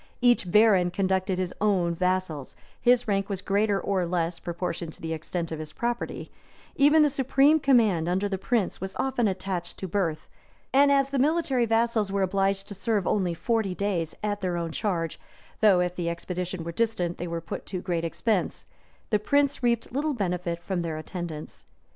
Each baron conducted his own vassals: his rank was greater or less, proportioned to the extent of his property: even the supreme command under the prince was often attached to birth; and as the military vassals were obliged to serve only forty days at their own charge, though, if the expedition were distant, they were put to great expense, the prince reaped little benefit from their attendance.